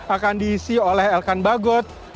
akan diisi oleh elkan bagot